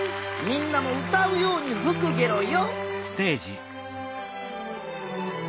みんなも歌うようにふくゲロよん。